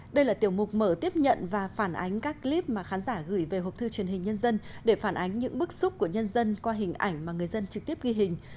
đây là tiểu mục mở tiếp nhận và phản ánh các clip mà khán giả gửi về học thư truyền hình nhân dân để phản ánh những bức xúc của nhân dân qua hình ảnh mà người dân trực tiếp ghi hình